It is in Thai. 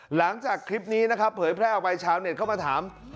หลังจากคลิปนี้นะครับเผยแพร่ออกไปชาวเน็ตเข้ามาถาม